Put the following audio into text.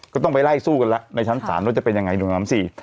ก็ต้องไปไล่สู้กันแล้วในชั้นศาลว่าจะเป็นยังไงดูน้ำสิ